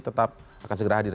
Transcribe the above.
tetap akan segera hadir